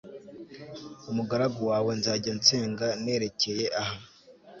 umugaragu wawe nzajya nsenga nerekeye aha